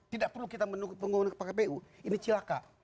tidak perlu kita menunggu nunggu ke pak kpu ini celaka